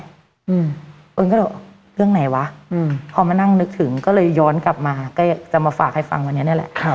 อืมเอิญก็เลยบอกเรื่องไหนวะพอมานั่งนึกถึงก็เลยย้อนกลับมาก็จะมาฝากให้ฟังวันนี้นี่แหละ